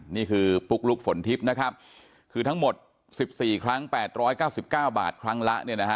นี่คือปุ๊กลุ๊กฝนทิพย์คือทั้งหมด๑๔ครั้ง๘๙๙บาทครั้งละ